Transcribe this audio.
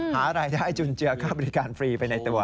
หารายได้จุนเจือค่าบริการฟรีไปในตัว